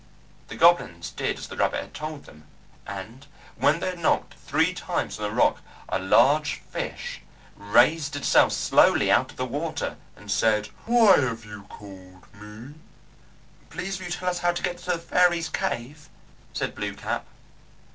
The goblins did as the rabbit had told them, and when they had knocked three times on a rock a large fish raised itself slowly out of the water and said, "Why have you called me?" "Please will you tell us how to get to the fairies' cave?" said Blue Cap.